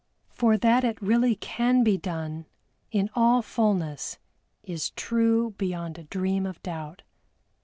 For that it really can be done in all fullness is true beyond a dream of doubt.